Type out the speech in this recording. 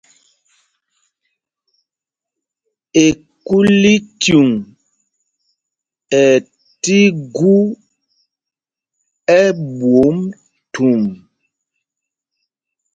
Ekúlícuŋ ɛ tí gú ɛ́ɓwôm thûm.